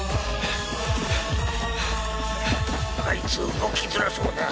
あいつ動きづらそうだ。